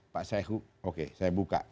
pak sae hoo oke saya buka